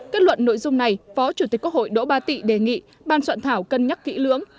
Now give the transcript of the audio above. kết luận nội dung này phó chủ tịch quốc hội đỗ ba tị đề nghị ban soạn thảo cân nhắc kỹ lưỡng